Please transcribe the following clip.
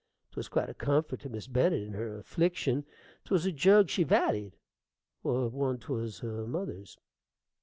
'Twas quite a comfort to Miss Bennet in her affliction: 'twas a jug she valleyed, one 'twas her mother's....